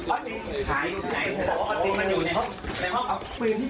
เก็บรวมกันตลอด